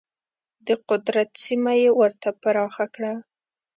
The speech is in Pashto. د قدرت سیمه یې ورته پراخه کړه.